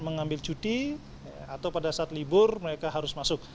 mengambil cuti atau pada saat libur mereka harus masuk